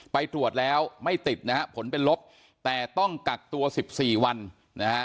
ไปตรวจแล้วไม่ติดนะฮะผลเป็นลบแต่ต้องกักตัว๑๔วันนะฮะ